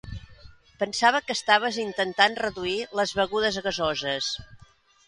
Pensava que estaves intentant reduir les begudes gasoses.